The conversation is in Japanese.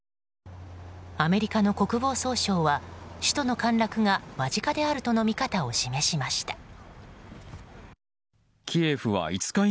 アメリカの国防総省は首都の陥落が間近であるとの見方を示しました。